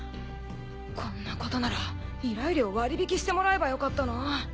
こんなことなら依頼料割り引きしてもらえばよかったな。